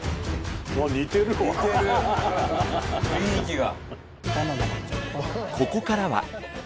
似てる雰囲気が。